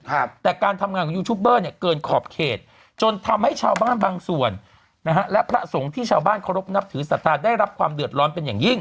ครับแต่การทำงานของยูทูปเบอร์เนี่ยเกินขอบเขตจนทำให้ชาวบ้านบางส่วนนะฮะและพระสงฆ์ที่ชาวบ้านเคารพนับถือศรัทธาได้รับความเดือดร้อนเป็นอย่างยิ่ง